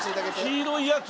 黄色いやつ？